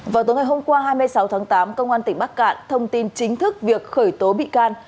vào tối ngày hôm qua hai mươi sáu tháng tám công an tỉnh bắc cạn thông tin chính thức việc khởi tố bị can